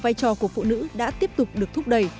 vai trò của phụ nữ đã tiếp tục được thúc đẩy